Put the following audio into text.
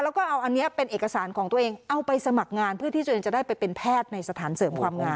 แล้วก็เอาอันนี้เป็นเอกสารของตัวเองเอาไปสมัครงานเพื่อที่ตัวเองจะได้ไปเป็นแพทย์ในสถานเสริมความงาม